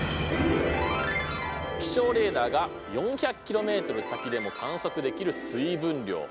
気象レーダーが４００キロメートル先でも観測できる水分量。